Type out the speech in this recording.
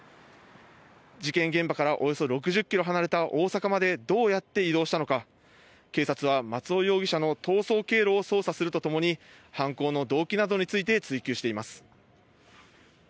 事件現場からおよそ６０ｋｍ離れた大阪までどうやって移動したのか、警察は松尾容疑者の逃走経路を捜査するとともに犯行の動機などについて追及しています。